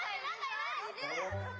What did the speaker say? いる！